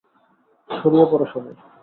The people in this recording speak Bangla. ছড়িয়ে পড়ো সবাই।